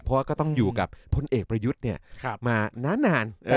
เพราะว่าก็ต้องอยู่กับพลเอกประยุทธ์มานาน